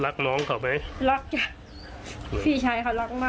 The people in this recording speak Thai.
อายุ๖ขวบซึ่งตอนนั้นเนี่ยเป็นพี่ชายมารอเอาน้องชายไปอยู่ด้วยหรือเปล่าเพราะว่าสองคนนี้เขารักกันมาก